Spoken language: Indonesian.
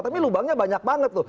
tapi lubangnya banyak banget tuh